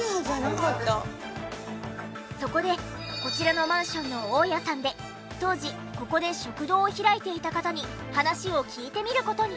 そこでこちらのマンションの大家さんで当時ここで食堂を開いていた方に話を聞いてみる事に。